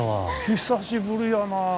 久しぶりやな。